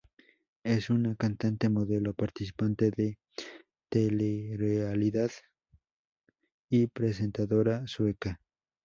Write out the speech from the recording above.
Es una cantante, modelo, participante de telerealidad y presentadora sueca.